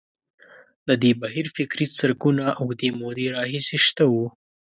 د دې بهیر فکري څرکونه اوږدې مودې راهیسې شته وو.